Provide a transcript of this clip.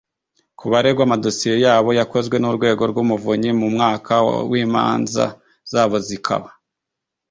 ku baregwa amadosiye yabo yakozwe n urwego rw umuvunyi mu mwaka wa imanza zabo zikaba